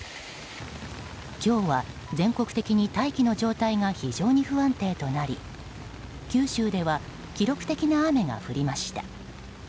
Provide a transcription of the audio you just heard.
今日は全国的に大気の状態が非常に不安定となり九州では記録的な雨が降りました。